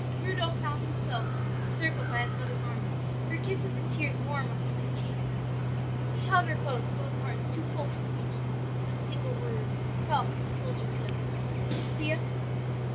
"Rudolph found himself encircled by his mother's arms, her kisses and tears warm upon his cheek. "He held her close, both hearts too full for speech. Then a single word fell from the soldier's lips, 'Lucia?'